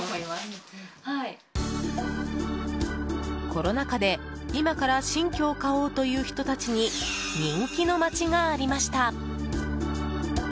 コロナ禍で、今から新居を買おうという人たちに人気の街がありました。